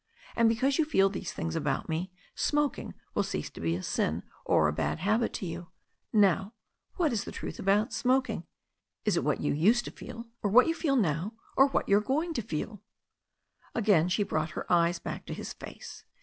And, because you feel these things about me, smoking will cease to be a sin or a bad habit to )rou. Now what is the truth about smoking? Is it what you used to feel, or what you feel now, or what you are going to feel ?" Again she brought her eyes back to his face.